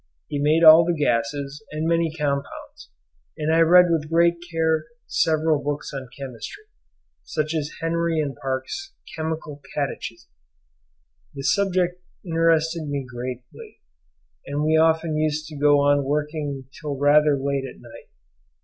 He made all the gases and many compounds, and I read with great care several books on chemistry, such as Henry and Parkes' 'Chemical Catechism.' The subject interested me greatly, and we often used to go on working till rather late at night.